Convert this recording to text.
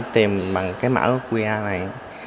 tìm bằng cái mã qr này